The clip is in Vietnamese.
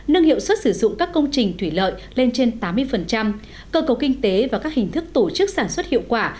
nâng hiệu suất sử dụng các công trình thủy lợi lên trên tám mươi cơ cầu kinh tế và các hình thức tổ chức sản xuất hiệu quả